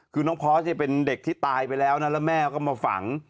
คือน้องพอสเป็นเด็กที่ตายไปแล้วนะแล้วแม่ก็มาฝัง